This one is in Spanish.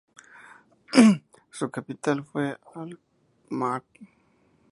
Su capital fue Alkmaar.